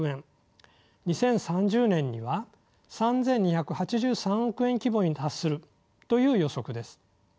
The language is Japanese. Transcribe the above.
２０３０年には３，２８３億円規模に達するという予測です。